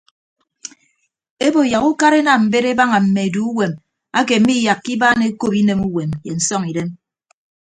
Ebo yak ukara enam mbet ebaña mme eduuwem ake miiyakka ibaan ekop inemuwem ye nsọñidem.